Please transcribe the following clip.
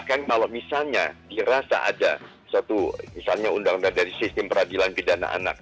bahkan kalau misalnya dirasa ada suatu misalnya undang undang dari sistem peradilan bidana anak